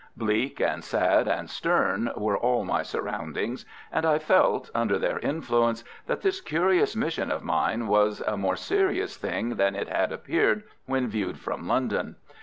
Bleak and sad and stern were all my surroundings, and I felt, under their influence, that this curious mission of mine was a more serious thing than it had appeared when viewed from London.